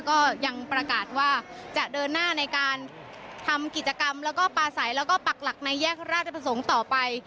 ก็ยังประกาศว่าจะเดินหน้าในการทำกิจกรรมแล้วก็ปลาใสแล้วก็ปักหลักในแยกราชประสงค์ต่อไป